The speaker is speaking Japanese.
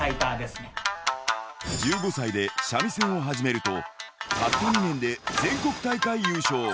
１５歳で三味線を始めると、たった２年で全国大会優勝。